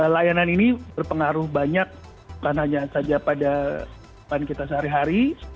layanan ini berpengaruh banyak bukan hanya saja pada kita sehari hari